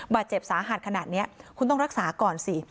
บาดเจ็บสาหัสขนาดนี้คุณต้องรักษาก่อนสิ